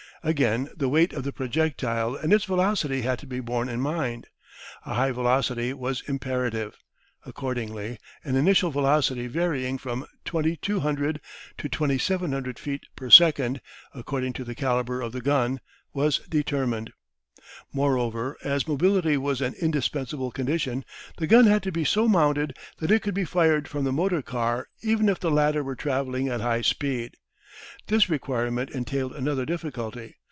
Again, the weight of the projectile and its velocity had to be borne in mind. A high velocity was imperative. Accordingly, an initial velocity varying from 2,200 to 2,700 feet per second, according to the calibre of the gun, was determined. Moreover, as mobility was an indispensable condition, the gun had to be so mounted that it could be fired from the motor car even if the latter were travelling at high speed. This requirement entailed another difficulty.